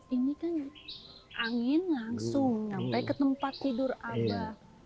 ini kan angin langsung sampai ke tempat tidur anda